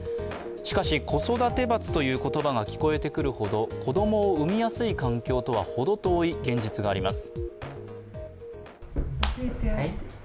しかし子育て罰という言葉が聞こえてくるほど、子供を産みやすい環境とはほど遠い現実があります。